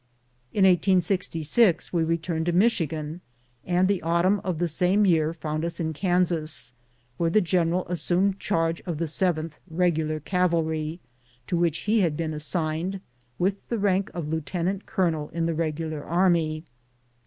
In 1866 we returned to Michigan, and the autumn of the same year found us in Kansas, where the general assumed charge of the 7th (Regular) Cavalry, to which he had been assigned, with the rank of lieutenant colo nel in the Regular Army.